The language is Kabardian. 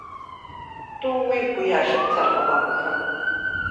ТӀууи гу ялъыптэркъым абыхэм.